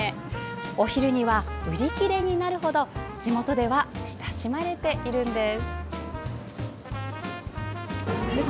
お昼には売り切れになる程地元では親しまれているんです。